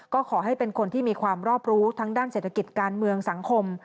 ก็ขอให้เป็นคนที่มีความรอบรู้ทั้งด้านเศรษฐกิจการเมืองสังคม